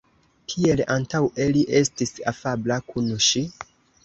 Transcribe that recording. Kiel antaŭe, li estis afabla kun ŝi.